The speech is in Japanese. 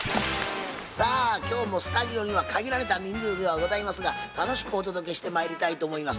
さあ今日もスタジオには限られた人数ではございますが楽しくお届けしてまいりたいと思います。